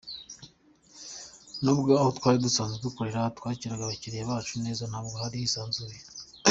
Nubwo aho twari dusanzwe dukorera twakiraga abakiliya bacu neza ntabwo hari hisanzuye.